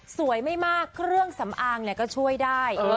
ไม่มากเครื่องสำอางก็ช่วยได้